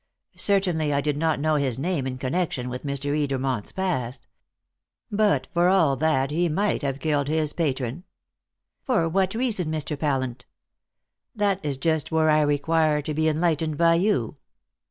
Certainly I did not know his name in connection with Mr. Edermont's past. But for all that he might have killed his patron." "For what reason, Mr. Pallant?" "That is just where I require to be enlightened by you."